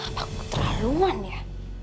apa aku terlaluan ya